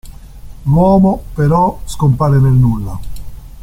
L'uomo, però, scompare nel nulla.